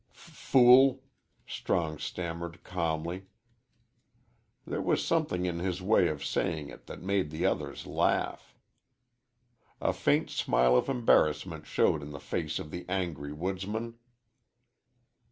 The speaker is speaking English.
"F fool," Strong stammered, calmly. There was something in his way of saying it that made the others laugh. A faint smile of embarrassment showed in the face of the angry woodsman.